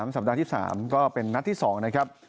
สัปดาห์ที่๓ก็เป็นนัดที่๒นะครับ